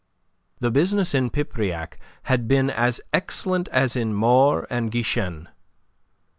The business in Pipriac had been as excellent as in Maure and Guichen.